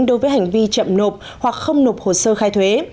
đối với hành vi chậm nộp hoặc không nộp hồ sơ khai thuế